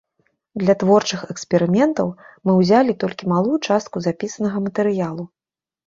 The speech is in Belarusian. Для творчых эксперыментаў мы ўзялі толькі малую частку запісанага матэрыялу.